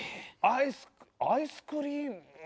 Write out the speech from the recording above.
アイスクアイスクリーム。